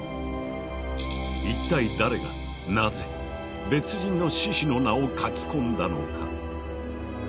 一体誰がなぜ別人の志士の名を書き込んだのか？